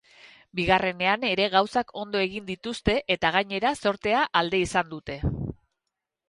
Bigarrenean ere gauzak ondo egin dituzte eta gainera zortea alde izan dute.